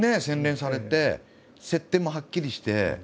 洗練されて設定もはっきりして。